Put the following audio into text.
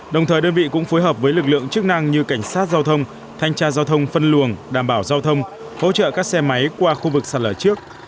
đồng thời đơn vị cũng phối hợp với lực lượng chức năng như cảnh sát giao thông thanh tra giao thông phân luồng đảm bảo giao thông hỗ trợ các xe máy qua khu vực sạt lở trước